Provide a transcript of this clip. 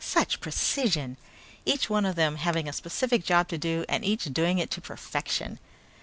Such precision! Each one of them having a specific job to do and each doing it to perfection.